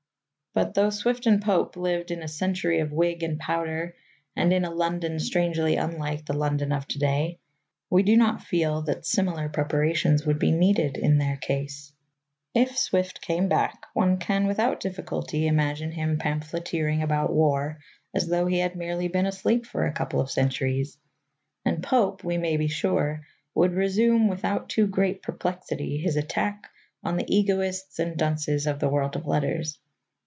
But though Swift and Pope lived in a century of wig and powder and in a London strangely unlike the London of to day, we do not feel that similar preparations would be needed in their case. If Swift came back, one can without difficulty imagine him pamphleteering about war as though he had merely been asleep for a couple of centuries; and Pope, we may be sure, would resume, without too great perplexity, his attack on the egoists and dunces of the world of letters.